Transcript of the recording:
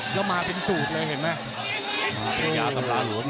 แล้วมาเป็นสูตรเลยเห็นไหม